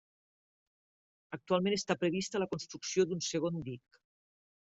Actualment està prevista la construcció d'un segon dic.